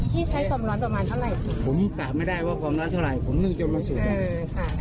พี่ใช้ตมร้อนต่อมาเท่าไหร่ผมกลับไม่ได้ว่าตมร้อนเท่าไหร่ผมนึ่งจนมันสุก